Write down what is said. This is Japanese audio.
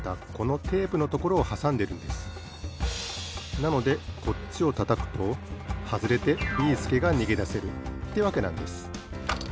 なのでこっちをたたくとはずれてビーすけがにげだせるってわけなんです。